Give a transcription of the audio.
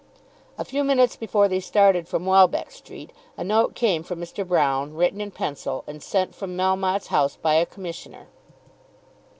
A few minutes before they started from Welbeck Street a note came from Mr. Broune, written in pencil and sent from Melmotte's house by a Commissioner.